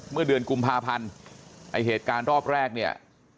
เมื่อเดือนกุมภาพันธ์ไอ้เหตุการณ์รอบแรกเนี่ย